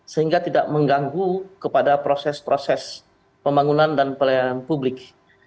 sehingga tidak mengganggu kepada proses proses pembangunan dan pelayanan publik